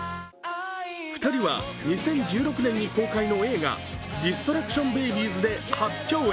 ２人は２０１６年に公開の映画、「ディストラクション・ベイビーズ」で初共演。